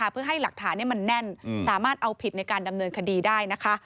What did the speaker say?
เพื่อให้หลักฐานมันแน่นสามารถเอาผิดในการดำเนินคดีได้นะคะ